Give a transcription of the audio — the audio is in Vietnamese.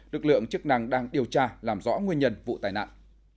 lực lượng chức năng đang điều tra làm rõ nguyên nhân vụ tai nạn